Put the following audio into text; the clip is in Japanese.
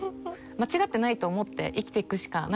間違ってないと思って生きていくしかないの。